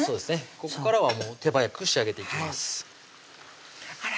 ここからは手早く仕上げていきますあら